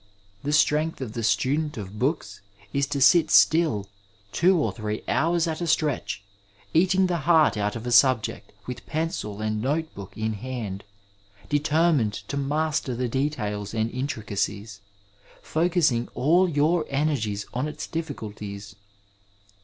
The strength of the student of books is to sit still— two or three hours at a stretch— eating the heart out of a subject with pencil and notebook in hand, determined to master the details and intricacies, focussing all 7our energies on its difficulties.